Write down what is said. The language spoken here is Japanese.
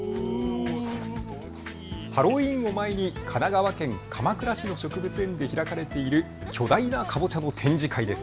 ハロウィーンを前に神奈川県鎌倉市の植物園で開かれている巨大なかぼちゃの展示会です。